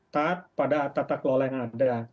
taat pada tata kelola yang ada